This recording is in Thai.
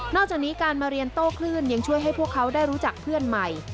จากนี้การมาเรียนโต้คลื่นยังช่วยให้พวกเขาได้รู้จักเพื่อนใหม่